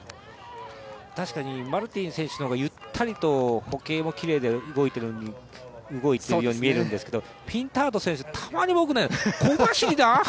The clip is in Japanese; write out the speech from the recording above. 確かにマルティン選手の方がゆったりと、歩型もきれいに動いているように見えるんですけどピンタード選手、たまに僕ね小走りで、あれ？